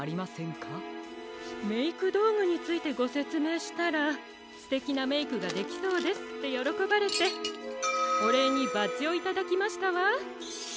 メイクどうぐについてごせつめいしたら「すてきなメイクができそうです」ってよろこばれておれいにバッジをいただきましたわ。